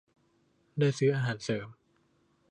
ได้ซื้ออาหารเสริม